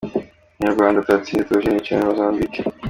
Umunyarwanda Turatsinze Theogene yiciwe muri Mozambique.